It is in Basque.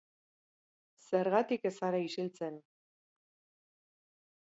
Zergatik ez zara isiltzen?